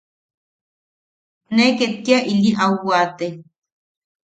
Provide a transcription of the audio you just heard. Ne ket kia ili au waate.